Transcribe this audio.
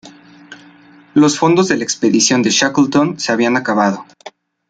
Los fondos de la expedición de Shackleton se habían acabado.